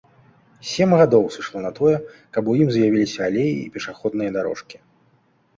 Сем гадоў сышло на тое, каб у ім з'явіліся алеі і пешаходныя дарожкі.